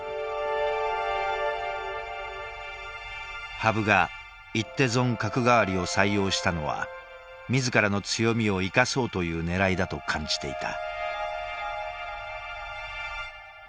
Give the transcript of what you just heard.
羽生が一手損角換わりを採用したのは自らの強みを生かそうというねらいだと感じていた。